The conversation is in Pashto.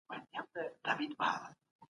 که موږ مطالعه وکړو نو پوه به سو.